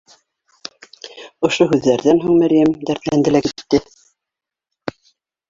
Ошо һүҙҙәрҙән һуң Мәрйәм дәртләнде лә китте